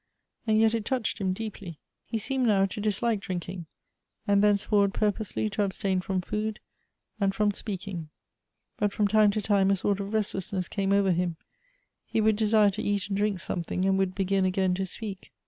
and yet it touched him deeply. He seemed now to dislike drinking, and thence forward purposely to abstain from food and from speak ing. But from time to time a sort of restlessness came over him ; he would desire to eat and drink something, and would begin again to spe.ik.